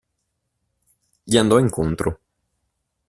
Gli andò incontro.